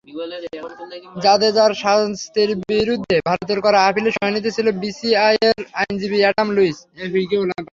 জাদেজার শাস্তির বিরুদ্ধে ভারতের করা আপিলের শুনানিতে ছিলেন বিসিসিআইয়ের আইনজীবী অ্যাডাম লুইস।